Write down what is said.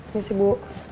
ini sih bu